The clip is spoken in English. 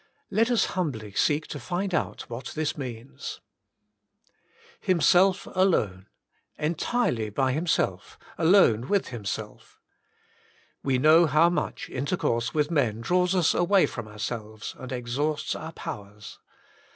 Let us humbly seek to find out what this means. 1. Himself Alone. Entirely by Himself, 151 152 The Inner Chamber alone with Himself. We know how much inter course with men draws us away from ourselves and exhausts our powers.